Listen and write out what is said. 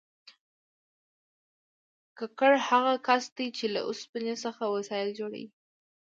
ګګر هغه کس دی چې له اوسپنې څخه وسایل جوړوي